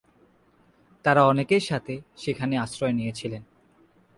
তারা অনেকের সাথে সেখানে আশ্রয় নিয়েছিলেন।